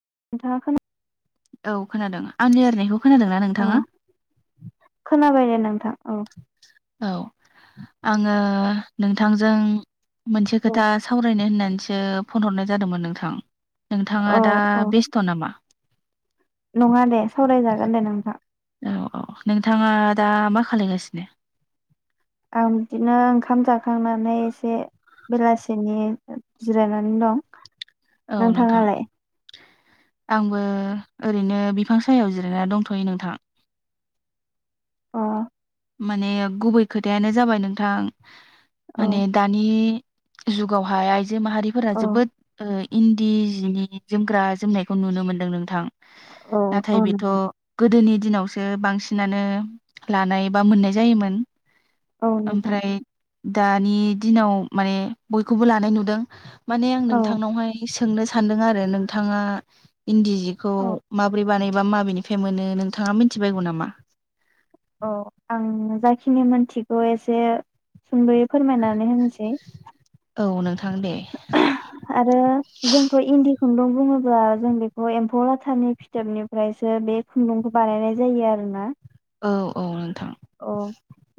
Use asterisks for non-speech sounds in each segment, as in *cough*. *unintelligible* औ खोनादों आंनि लायरायनायखौ औ खोनाबाय दे नोंथां औ औ आङो नोंथांजों मोनसे खोथा सावरायनो होननानै सो फन हरनाय जादोंमोन नोंथां। नोंथाङा औ दा औ बेस्थ' नामा? नङा दे। सावरायजागोन दे नोंथां। अ नोंथाङा दा मा खालायगासिनो? आं बिदिनो ओंखाम जा खांनानै एसे बेलासिनि जिरायनानै दं। औ नोंथां नोंथाङालाय? आंबो ओरैनो बिफां सायाव जिरायना दंथ'यो नोंथां। अ माने गुबै खोथायानो जाबाय नोंथां औ माने दानि जुगावहाय आइजो माहारिफोरा औ जोबोद ओ इन्दि जिनि जोमग्रा जोमनायखौ नुनो मोन्दों नोंथां। औ औ नाथाय बेथ' नोंथां गोदोनि दिनावसो बांसिनानो लानाय बा मोननाय जायोमोन। औ नोंथां ओमफ्राय दानि दिनाव माने बयखौबो लानाय नुदों माने आं औ नोंथांनावहाय सो सोंनो सान्दों आरो नोंथाङा इन्दि जिखौ माबोरै बानाय? माबेनिफ्राय मोनो नोंथा मिथिबायगौ नामा? औ आं जाखिनि मोनथिगौ एसे सुंदयै फोरमायनानै होनोसै औ नोंथां दे आरो जोंथ' इन्दि खुन्दुं बुङोब्ला जों बेखौ एम्फौ लाथानि फिथोबनिफ्रायसो बे खुन्दुंखौ बानायनाय जायो आरोना औ औ अ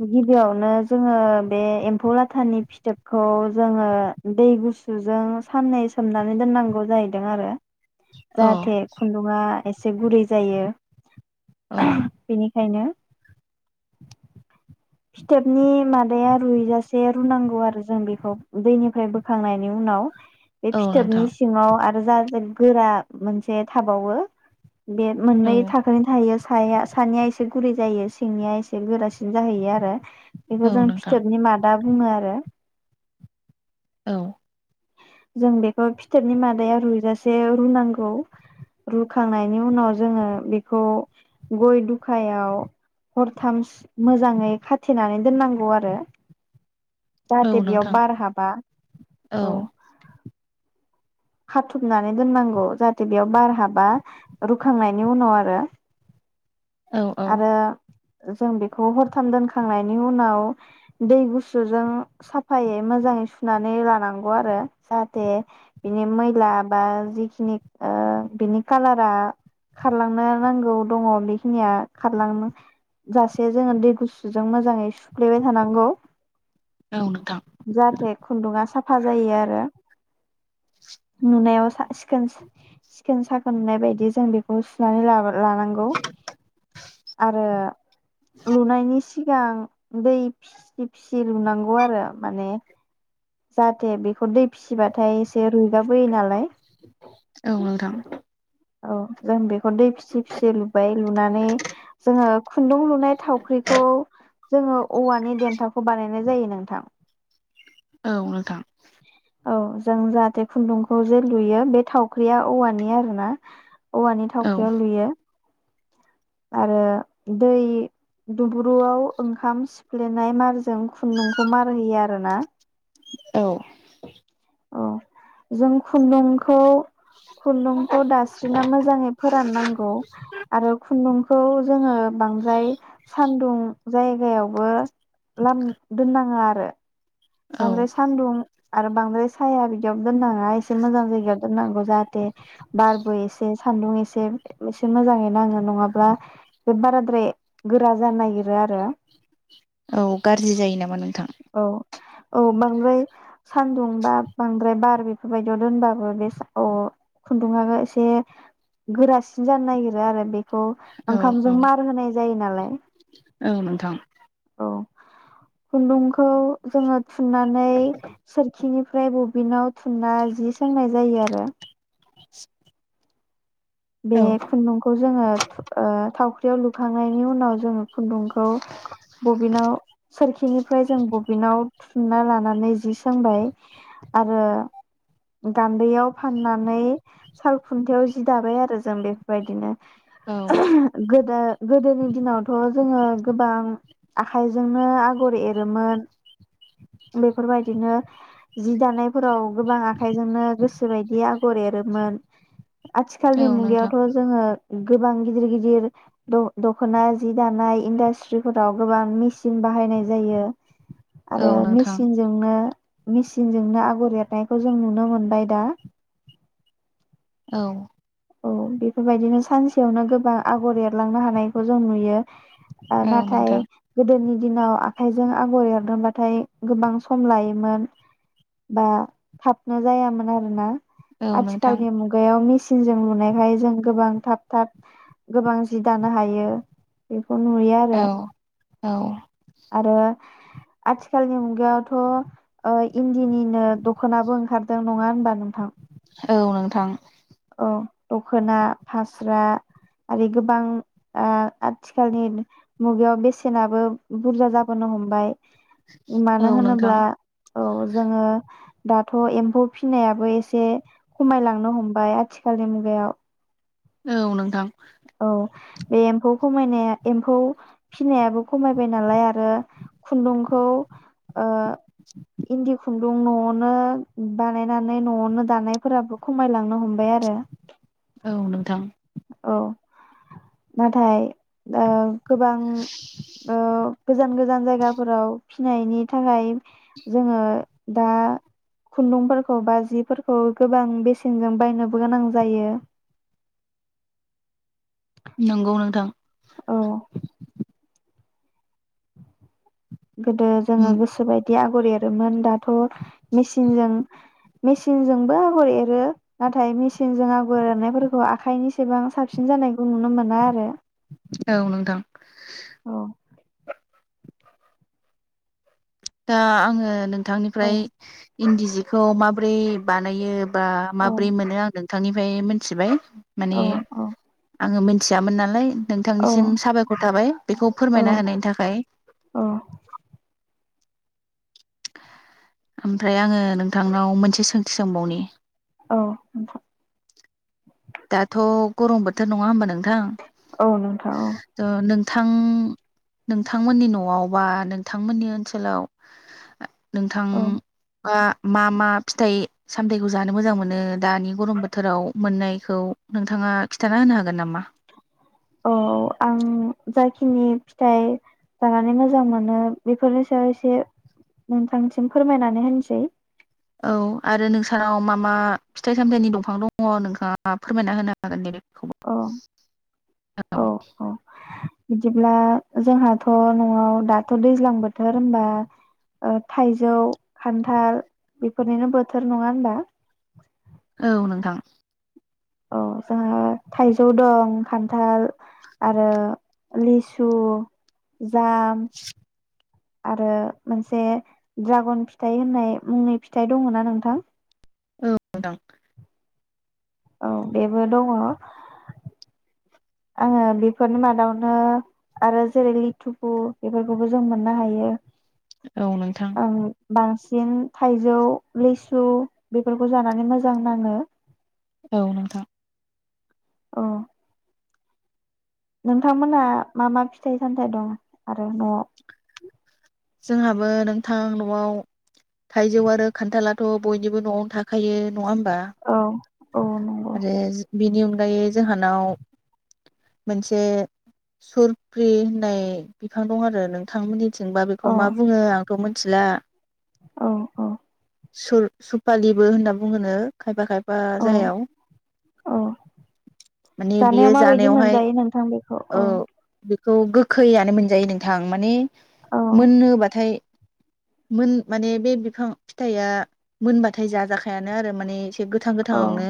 गि गिबियावनो जोङो बे एम्फौ लाथानि फिथोबखौ जोङो दै गुसुजों साननै सोमनानै दोननांगौ जाहैदों आरो औ जाहाथे खुन्दुङा एसे गुरै जायो औ खायनो फिथोबनि मादाया रुइजासि एसे रुनांगौ आरो जों बेखौ दैनिफ्राय बोखांनायनि उनाव बे औ फिथोबनि नोंथां सिङाव आरो जा जो गोरा मोनसे थाबावो बे औ मोननै थाखोनै थायो साया सानैया एसे गुरै जायो सिंनिया एसे गोरासिन जाहैयो आरो *inaudible* बेखौ औ जों नोंथां फिथोबनि मादा बुङो आरो औ जों बेखौ फिथोरनि मादाया रुइजासे रुनांगौ रुखांनायनि उनाव जोङो बेखौ गय दुखायाव हरथाम मोजाङै खाथेनानै दोननांगौ आरो औ जाहाथे बेयाव नोंथां बार हाबा औ खाथबनानै दोननांगौ जाहाथे बेयाव बार हाबा रुखांनायनि उनाव आरो औ औ आरो जों बेखौ हरथाम दोनखांनायनि उनाव दै गुसुजों साफायै मोजाङै सुनानै लानांगौ आरो जाहाथे बिनि मैला बा जिखिनि ओ बिनि कालारा खारलांनो नांगौ दङ बेखिनिया खारलां जासे जोङो दै गुसुजों मोजाङै सुफ्लेबाय थानांगौ औ नोंथां जाहाथे खुन्दुंआ साफा जायो आरो। नुनायाव सा स खोन सिखोन साखोननाय बायदि जों बेखौ सुनानै लाबो लानांगौ आरो लुनायनि सिगां दै फिसि फिसि लुनांगौ आरो माने जाहाथे बेखौ दै फिसिबाथाय एसे रुइगाबोयो नालाय। औ नोंथां औ जों बेखौ दै फिसि फिसि लुबाय लुनानै जोङो खुन्दुं लु नाय थावख्रिखौ जोङो औवानि देन्थाखौ बानायनाय जायो नोंथां। औ नोंथां। औ जों जाहाथे खुन्दुंखौ जे लुयो बे थावख्रिया औवानि आरो ना औवानि औ थावख्रियाव लुयो। आरो दै दुंब्रुआव ओंखाम सिफ्लेनाय मारजों खुन्दुंखौ मार होयो आरोना औ। औ जों खुन्दुंखौ खुन्दुंखौ दास्रिना मोजाङै फोराननांगौ आरो खुन्दुं खौ जोङो बांद्राय सानदुं जायगायावबो लामना दोननाङा आरो। औ बांद्राय सान्दुं आरो बांद्राय साया बिदियाव दोननाङा एसे मोजां जायगायाव दोननांगौ जाहाथे बारबो एसे सानदुं एसे एसे मोजाङै नाङो नङाब्ला बे बाराद्राय गोरा जानो नागिरो आरो। औ गाज्रि जायो नामा नोंथां। औ औ बांद्राय सानदुं बा बांद्राय बार बेफोरबायायदियाव दोनबाबो बे औ खुन्दुंआ एसे गोरासिन जानो नागिरो आरो बेखौ औ औ ओंखामजों मार होनाय जायो नालाय। औ नोंथां। औ खुन्दुंखौ जोङो थुननानै सोरखिनिफ्राय बबिनाव थुनना जि सोंनाय जायो आरो। बे औ खुन्दुंखौ जोङो थावख्रियाव लुखांनायनि उनाव जोङो खुन्दुंखौ बबिनाव सोरखिनिफ्राय जों बबिनाव थुनना लानानै जि सोंबाय आरो गान्दैयाव फाननानै साल खुन्थाययाव जि दाबाय आरो। जों बेफोरबायदिनो औ गोदो गोदोनि दिनावथ' जोङो गोबां आखाइजोंनो आगर एरोमोन बेफोरबायदिनो जि दानायफोराव गोबां आखाइजोंनो गोसो बायदि आगर एरोमोन आथिखालनि औ नोंथां मुगायावथ' जोङो गोबां गिदिर गिदिर द-दख'ना जि दानाय इन्डास्ट्रिफोराव गोबां मेसिन बाहायनाय जायो। औ ओ नोंथां मिसिनजोंनो मिसिनजोंनो आगर एरनायखौ जों नुनो मोनबाय दा। औ। औ बेफोरबायदिनो सानसेयावनो गोबां आगर एरलांनो हानायखौ जों नुयो। ओ औ नाथाय नोंथां गोदोनि दिनाव आखाइजों आगर एरदोंबाथाय गोबां सम लायोमोन बा थाबनो जायामोन आरोना। औ नोंथां आथिखालनि मुगायाव मि चिसिनजों लुनायखाय जों गोबां थाब थाब गोबां जि दानो हायो। बेखौ नुयो आरो। औ औ आरो आथिखालनि मुगायावथ' ओ इन्दिनिनो दखनाबो ओंखारदों नङा होनबा नोंथां‌। नंगौ नोंथां। औ दख'ना, फास्रा आरो गोबां ओ आथिखालनि मुगायाव बेसेनाबो बुरजा जाबोनो हमबाय। औ मानो नोंथां होनोब्ला औ जोङो दाथ' एम्फौ फिनायाबो एसे खमायलांनो हमबाय आथिखालनि मुगायाव। औ नोंथां। औ बे एम्फौ खमायनाया एम्फौ फिनायाबो खमायबाय नालाय आरो खुन्दुंखौ ओ इन्दि खुन्दुं न'आवनो बानायनानै न'आवनो दानायफोराबो खमायलांनो हमबाय आरो। औ नोंथां। औ नाथाय दा गोबां ओ गोजान गोजान जायगाफोराव फिनायनि थाखाय जोङो दा खुन्दुंफोरखौ बा जिफोरखौ गोबां बेसेनजों बायनोबो गोनां जायो। नंगौ नोंथां। औ। गोदो जोङो गोसो बाय दि आगर एरोमोन। दाथ' मचिनजों मेचिनजोंबो आगर एरो। नाथाय मेचिनजों आगर एरनायफोरखौ आखाइनिसिबां साबसिन जानायखौ नुनो मोना आरो। औ नोंथां। औ। दा आंङो नों औ थांनिफ्राय इन्दि जिखौ माबोरै बानायो बा औ माब्रै मोनो आं नों थांनिफ्राय मिथिबाय। औ माने आंङो मोन थियामोन नालाय औ नोंथांनिसिम साबायखर थाबाय बेखौ औ फोरमायना होनायनि थाखाय। औ ओमफ्राय आङो नोंथांनाव मोनसे सोंथि सोंबावनि। औ। दाथ' गरम बोथोर नङा होमबा नों थां। औ नोंथां औ थ' नों‌ नोंथां नोंथांमोननि न'आव बा नोंथांमोननि ओनसोलाव नोंथां औ बा मा मा फिथाइ सामथायाइखौ जानो मोजां मोनो दानि गरम बोथोराव मोननाय खौ नोंथाङा खिथाना होनो हागोन नामा? औ आं जाखिनि फिथाइ जानानै मोजां मोनो बेफोरनि सायाव एसे नोंथांसिम फोरमायनानै होनसै। औ आरो नोंसानाव मा मा फिथाइ सामथायाइनि दंफां दङ नोंथाङा फोरमायना होनो हागोन दे। बेखौबो औ औ औ। बिदिब्ला जोंहाथ' न'आव दाथ' दैज्लां बोथोर होनबा ओ थाइजौ, खान्थाल बेफोरनिनो बोथोर नङा होनबा। औ नोंथां। औ जोंहा थाइजौ दं खान्थाल आरो लिसु जाम। आरो मोनसे ड्रागन फिथाइ होननाय मुंनि फिथाइ दङ ना नोंथां। औ नोंथां। औ बेबो दङ आङो बेफोरनि मादावनो आरो जेरै लिथुफु बेफोरखौबो जों मोननो हायो। औ नोंथां। ओं बांसिन थाइजौ लिसु बेफोरखौ जानानै मोजां नाङो। औ नोंथां। औ। नोंथां मोनहा मा मा फिथाइ सामथाइ दं आरो न'आव। जोंहाबो नोंथां न'आव थाइजौ आरो खान्थालाथ' बयनिबो न'आव थाखायो। नङा होमबा। अ। आरो बिनि अनगायै जोंहानाव मोनसे सुरफ्रि होननाय बिफां दं आरो नोंथांमोननि थिंबा बेखौ औ मा बुंङो आंथ' थिला। औ औ। सुर सुपालिबो होनना बुङोनो खायफा खाय *unintelligible* अ माने बियो जानायाव माबायदि जानायावहाय मोनजायो नोंथां बेखौ अ। खौ गोखैयानो मोनजायो नोंथां माने औ मोननो बाथाय मोन माने बे बिफां फिथाइया मोनबाथाय जाजाखायानो आरो माने गोथां औ गोथाङावनो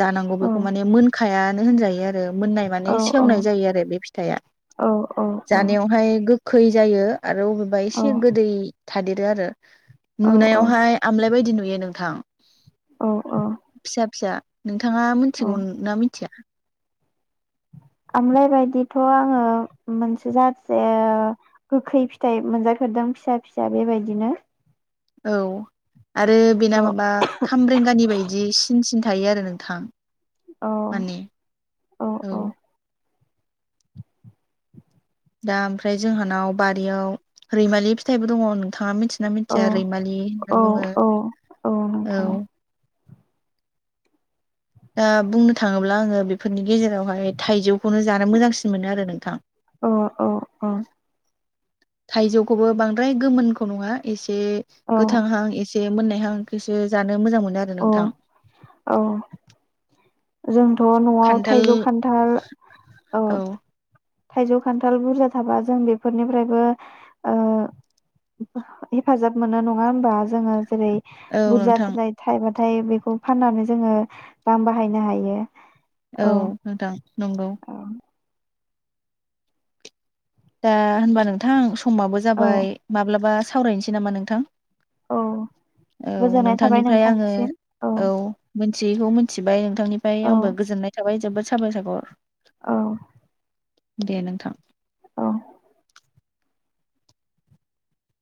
जानांगौ औ बेखौ माने हायानो होनजायो आरो। मोननाय औ माने सेवनाय जायो आरो बे फिथाइया औ औ औ जानायावहाय गो खै जायो। आरो अबेबा एसे औ गोदै। थादेरो आरो। नुनायावहाय आमलाय बायदि नुयो नोंथां। अ औ। नों थाङा मिथिगौ ना मिथिया। आमलायबायदिथ आङो मोनसे *unintelligible* गोखै फिथाइ मोनजा फेरदों फिसा फिसा बेबायदिनो। औ आरो बेना औ माबा खामरेंगानि बायदि सिन सिन थायो आरो नोंथां औ माने औ दा ओमफ्राय जोंहानाव बारियाव रैमालि फिथाइबो दङ नोंथाङा मिथि यो ना औ मिथिया रैमालि होनना औ बुङो औ औ औ नोंथां दा बुंनो थाङोब्ला आङो बेफोरनि गेजेरावहाय थाइजौ खौनो जानो मोजांसिन मोनो आरो नोंथां औ औ औ थाइजौखौबो बांद्राय गोमोनखौ नङा एसे से औ गोथांहां एसे बे मोननायहां इखौसो जानो मोजां मोनो नो आरो औ नोंथां जों थ' नआव खान्थाल थाइजौ खान्थाल औ थाइजौ खान्थाल बुरजा थाबा जों बेफोरनिफ्रायबो ओ हेफाजाब मोनो नङा होमबा जोङो। जेरै औ बुरजा नोंथां थानाय थाइबा। नाथाय बेखौ फाननानै जोङो रां बाहायनो हायो। औ नोंथां नंगौ। औ दा होनबा नोंथां। समाबो औ जाबाय माब्लाबा। सावरायनोसै नामा नोंथां। औ औ गोजोननाय थाबाय नोंथांनिफ्राय आङो नोंथांनिसिम औ मिथियैखौ मिथिबाय ओं। बिथांनिफ्राय औ आंबो गोजोननाय थाबाय जोबोद। साबाय सागर। औ। दे नोंथां। औ।